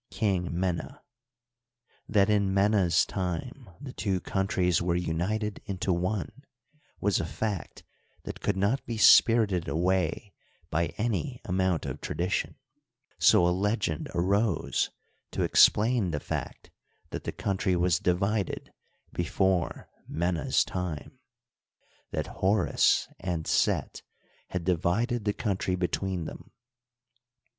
King Mena. That in Mena's time the two countries were united into one was a fact that could not be spirited away by any amount of tradition ; so a legend arose to explain the fact that the country was divided before Mena's time, that Horus and Set had divided the country between them.